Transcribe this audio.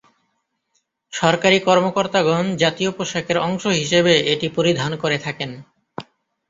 সরকারি কর্মকর্তাগণ জাতীয় পোশাকের অংশ হিসেবে এটি পরিধান করে থাকেন।